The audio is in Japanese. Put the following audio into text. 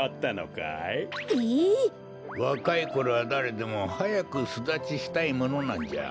わかいころはだれでもはやくすだちしたいものなんじゃ。